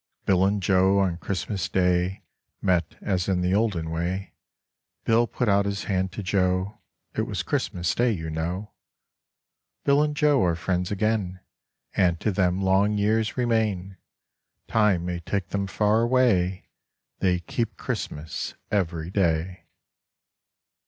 Bill and Joe on Christmas Day Met as in the olden way; Bill put out his hand to Joe, It was Christmas Day, you know. Bill and Joe are friends again, And to them long years remain; Time may take them far away, They keep Christmas every day.